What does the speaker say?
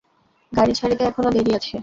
গাড়ি ছাড়িতে এখনো দেরি আছে।